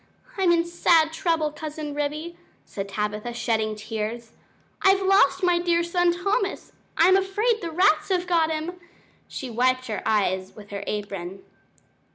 I'm in sad trouble, Cousin Ribby," said Tabitha, shedding tears. "I've lost my dear son Thomas; I'm afraid the rats have got him." She wiped her eyes with her apron.